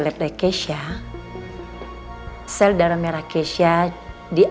pernah nabrak lagi